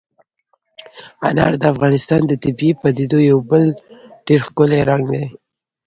انار د افغانستان د طبیعي پدیدو یو بل ډېر ښکلی رنګ دی.